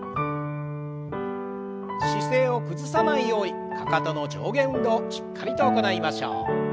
姿勢を崩さないようにかかとの上下運動しっかりと行いましょう。